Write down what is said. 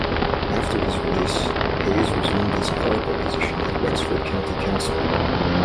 After his release, Hayes resumed his clerical position at Wexford County Council.